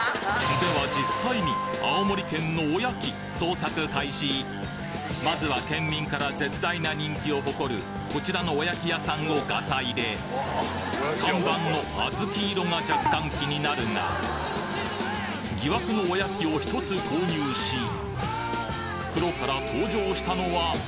では実際にまずは県民から絶大な人気を誇るこちらのおやき屋さんをガサ入れ看板のあずき色が若干気になるが疑惑のおやきを１つ購入し袋から登場したのは！